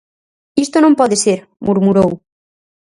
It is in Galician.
Isto non pode ser —murmurou.